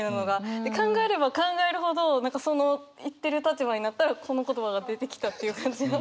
考えれば考えるほどその言ってる立場になったらこの言葉が出てきたっていう感じが。